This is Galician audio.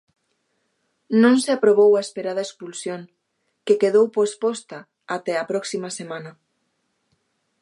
Non se aprobou a esperada expulsión, que quedou posposta até a próxima semana.